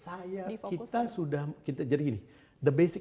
saya kita sudah jadi gini